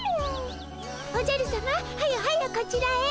おじゃるさまはよはよこちらへ。